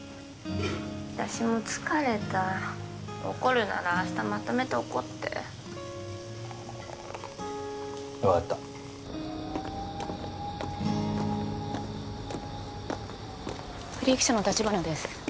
私も疲れた怒るなら明日まとめて怒って分かったフリー記者の橘です